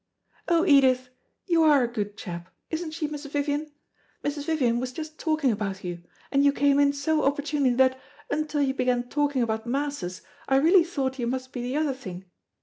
"Oh, Edith, you are a good chap; isn't she, Mrs. Vivian? Mrs. Vivian was just talking about you, and you came in so opportunely that, until you began talking about Masses, I really thought you must be the other thing.